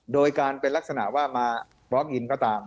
โดยการเป็นลักษณะว่ามาบล็อกอินก็ตาม